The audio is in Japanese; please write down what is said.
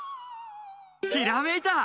ひらめいた！